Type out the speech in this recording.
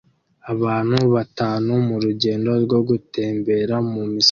Abantu batanu murugendo rwo gutembera mumisozi